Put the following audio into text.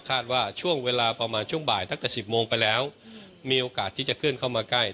ะคาดว่าช่วงเวลาประมาณช่วงบ่ายทั้งแต่สิบโมงไปแล้วมีโอกาสที่จะขึ้นเข้ามาใกล้